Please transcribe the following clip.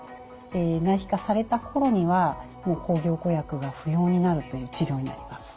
内皮化された頃にはもう抗凝固薬が不要になるという治療になります。